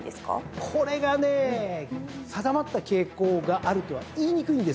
これがね定まった傾向があるとは言いにくいんですよ。